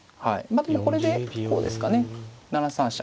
まあでもこれでこうですかね７三飛車。